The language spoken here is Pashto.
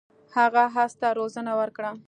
هغه اس ته روزنه ورکړه.